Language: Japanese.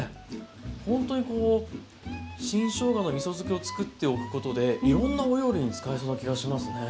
ほんとにこう新しょうがのみそ漬けを作っておくことでいろんなお料理に使えそうな気がしますね。